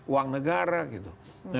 uang negara gitu